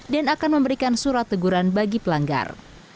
dan akan memberikan surat teguran bagi pelanggar